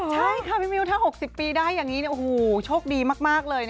ใช่ค่ะพี่มิวถ้า๖๐ปีได้อย่างนี้เนี่ยโอ้โหโชคดีมากเลยนะ